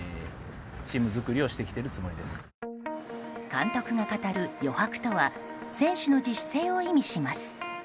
監督が語る余白とは選手の自主性を意味します。